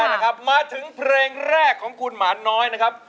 เอาละครับมาถึงเพลงแรกของคุณหมาน้อยนะครับ